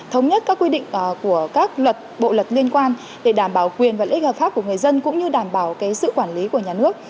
thống nhất các quy định của các luật bộ luật liên quan để đảm bảo quyền và lợi ích hợp pháp của người dân cũng như đảm bảo sự quản lý của nhà nước